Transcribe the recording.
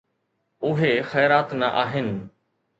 اهي خيرات نه آهن.